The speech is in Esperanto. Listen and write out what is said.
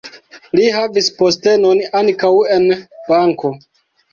Li havis postenon ankaŭ en banko.